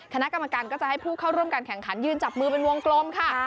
คณะกรรมการก็จะให้ผู้เข้าร่วมการแข่งขันยืนจับมือเป็นวงกลมค่ะ